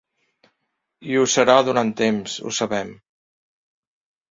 I ho serà durant temps, ho sabem.